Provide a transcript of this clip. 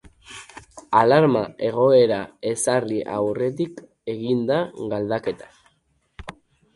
Alarma egoera ezarri aurretik egin da galdaketa.